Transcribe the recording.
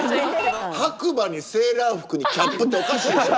白馬にセーラー服にキャップっておかしいでしょ。